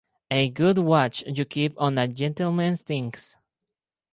A good watch you keep on a gentleman's things!